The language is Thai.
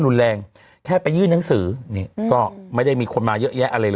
ก็เลยเข้าไปยื่นนังสือ